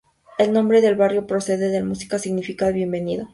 El nombre del barrio procede del muisca, que significa "Bienvenido".